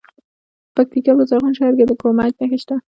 د پکتیکا په زرغون شهر کې د کرومایټ نښې شته.